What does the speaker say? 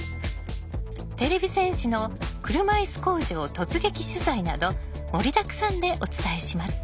てれび戦士の車いす工場突撃取材など盛りだくさんでお伝えします。